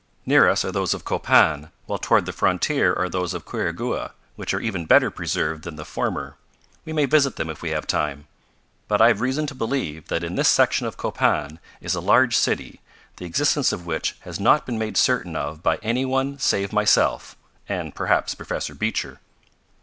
Near us are those of Copan, while toward the frontier are those of Quirigua, which are even better preserved than the former. We may visit them if we have time. But I have reason to believe that in this section of Copan is a large city, the existence of which has not been made certain of by any one save myself and, perhaps, Professor Beecher.